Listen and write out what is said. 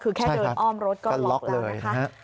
คือแค่เดินอ้อมรถก็ล็อกเลยค่ะ